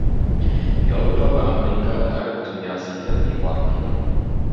ياۋروپا ۋە ئامېرىكا غەرب دۇنياسى دەپ ئىپادىلىنىدۇ.